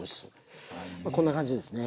こんな感じですね。